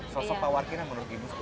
sesuatu pak warkina menurut ibu sekolah